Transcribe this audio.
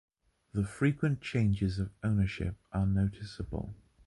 The frequent changes of ownership are noticeable.